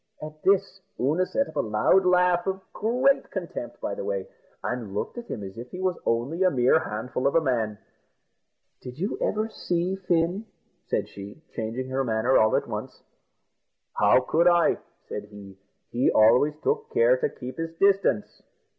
At this Oonagh set up a loud laugh, of great contempt, by the way, and looked at him as if he was only a mere handful of a man. "Did you ever see Fin?" said she, changing her manner all at once. "How could I?" said he; "he always took care to keep his distance."